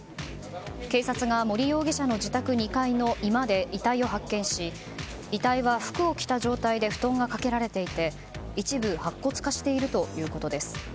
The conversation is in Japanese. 警察が森容疑者の自宅２階の居間で遺体を発見し遺体は服を着た状態で布団が掛けられていて一部白骨化しているということです。